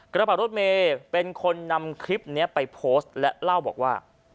กระเป๋ารถเมย์เป็นคนนำคลิปนี้ไปโพสต์และเล่าบอกว่า